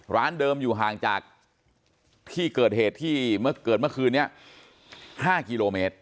ร้านเดิมอยู่ห่างจากที่เกิดเหตุที่เมื่อเกิดเมื่อคืนนี้๕กิโลเมตร